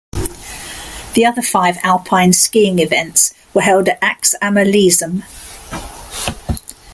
The other five alpine skiing events were held at Axamer Lizum.